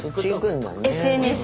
ＳＮＳ。